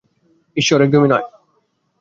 ঈশ্বর, একদমই নয়।